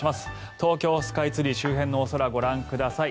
東京スカイツリー周辺のお空ご覧ください。